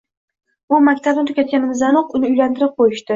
U maktabni tugatganimizdanoq, uni uylantirib qoʻyishdi.